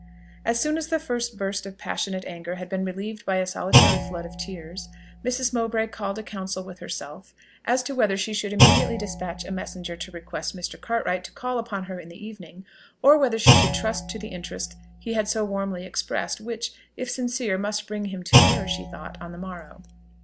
As soon as the first burst of passionate anger had been relieved by a solitary flood of tears, Mrs. Mowbray called a council with herself as to whether she should immediately despatch a messenger to request Mr. Cartwright to call upon her in the evening, or whether she should trust to the interest he had so warmly expressed, which, if sincere, must bring him to her, she thought, on the morrow.